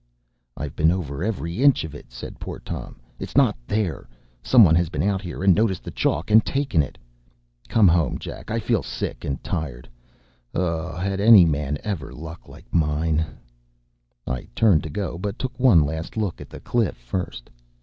“I’ve been over every inch of it,” said poor Tom. “It’s not there. Some one has been here and noticed the chalk, and taken it. Come home, Jack; I feel sick and tired. Oh, had any man ever luck like mine!” I turned to go, but took one last look at the cliff first.